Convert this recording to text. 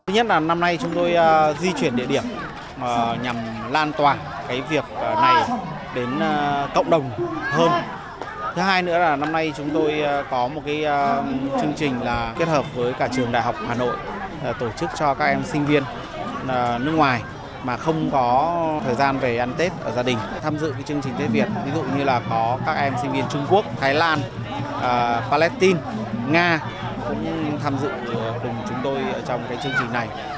như là có các em sinh viên trung quốc thái lan palestine nga cũng tham dự cùng chúng tôi trong cái chương trình này